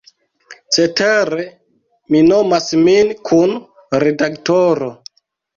Cetere mi nomas min "kun-redaktoro".